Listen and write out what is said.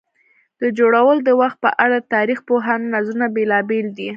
د جوړولو د وخت په اړه د تاریخ پوهانو نظرونه بېلابېل دي.